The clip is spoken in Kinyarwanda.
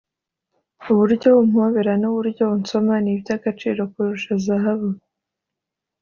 uburyo umpobera n’uburyo unsoma ni iby’agaciro kurusha zahabu